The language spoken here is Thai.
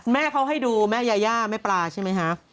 แม่เขาให้ดูแม่ยาย่าแม่ปลาใช่ไหมคะ